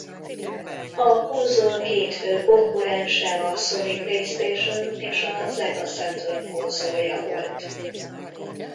A konzol két fő konkurense a Sony PlayStation és a Sega Saturn konzolja volt.